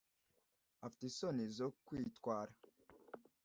afite isoni zo kwitwara